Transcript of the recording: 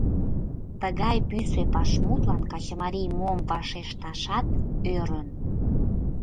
Тыгай пӱсӧ вашмутлан качымарий мом вашешташат ӧрын.